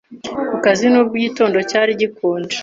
ku kazi Nubwo igitondo cyari gikonje